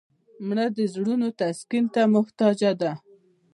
مړه د زړونو تسکین ته محتاجه ده